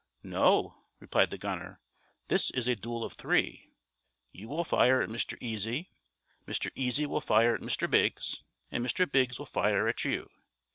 "No," replied the gunner, "this is a duel of three. You will fire at Mr. Easy, Mr. Easy will fire at Mr. Biggs, and Mr. Biggs will fire at you.